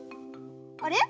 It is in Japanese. あれ？